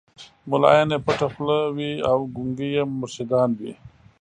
مُلایان یې پټه خوله وي او ګونګي یې مرشدان وي